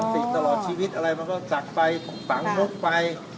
มันติดตลอดชีวิตอะไรมันก็สักไปสั่งนุกไป